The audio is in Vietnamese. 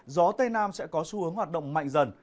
gió tây nam sẽ có xu hướng hoạt động mạnh dần